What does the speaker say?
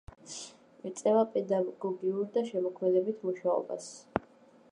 ეწევა პედაგოგიურ და შემოქმედებით მუშაობას.